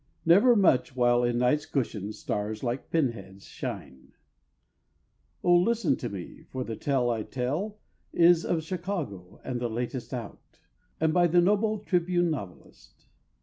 Never much, While in Night's cushion stars like pin heads shine. Oh, listen to me, for the tale I tell Is of Chicago, and the latest out, And by the noble Tribune novelist.